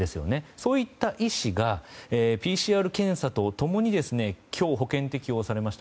そういった医師がＰＣＲ検査と共に今日、保険適用されました